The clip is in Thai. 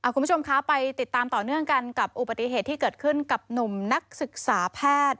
คุณผู้ชมคะไปติดตามต่อเนื่องกันกับอุบัติเหตุที่เกิดขึ้นกับหนุ่มนักศึกษาแพทย์